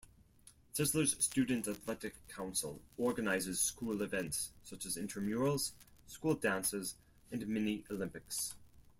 Sisler's Student Athletic Council organizes school events such as intramurals, school dances, and mini-olympics.